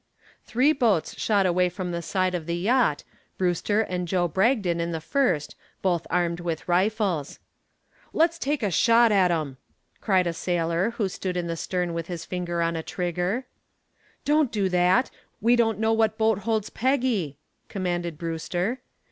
Three boats shot away from the side of the yacht, Brewster and Joe Bragdon in the first, both armed with rifles. "Let's take a shot at 'em," cried a sailor who stood in the stern with his finger on a trigger. "Don't do that! We don't know what boat holds Peggy," commanded Brewster.